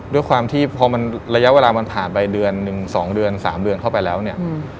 ด้วยความที่พอมันระยะเวลามันผ่านไปเดือนหนึ่ง๒เดือน๓เดือนเข้าไปแล้วเนี่ย